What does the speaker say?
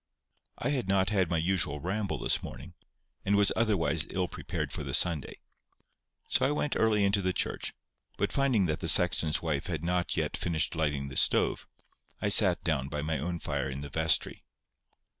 I had not had my usual ramble this morning, and was otherwise ill prepared for the Sunday. So I went early into the church; but finding that the sexton's wife had not yet finished lighting the stove, I sat down by my own fire in the vestry.